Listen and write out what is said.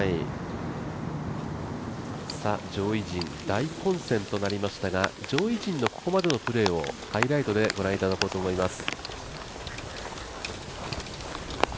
上位陣大混戦となりましたが、上位陣のここまでのプレーをハイライトでご覧いただこうと思います。